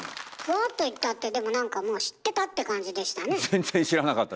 ふわっと言ったってでもなんかもう知ってたって感じでしたね。